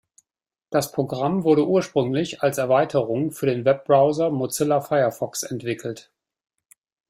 Das Programm wurde ursprünglich als Erweiterung für den Webbrowser Mozilla Firefox entwickelt.